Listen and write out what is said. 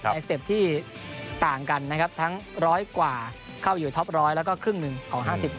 สเต็ปที่ต่างกันนะครับทั้ง๑๐๐กว่าเข้าอยู่ท็อป๑๐๐แล้วก็ครึ่งหนึ่งของ๕๐